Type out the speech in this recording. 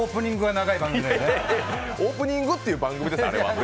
オープニングっていう番組ですから。